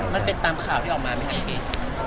มันเป็นตามข่าวที่ออกมามั้ยคะพี่เกษ